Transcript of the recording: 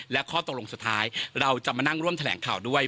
และข้อตกลงสุดท้ายเราจะมานั่งร่วมแถลงข่าวด้วย